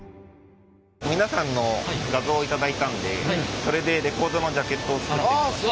皆さんの画像を頂いたんでそれでレコードのジャケットを作ってみました。